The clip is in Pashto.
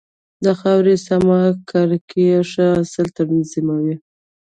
د خاورې سمه کرکيله ښه حاصل تضمینوي.